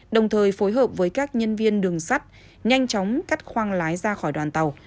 đồng thời phối hợp với các nhân viên đường sắt nhanh chóng cắt khoang lái ra khỏi đoàn tàu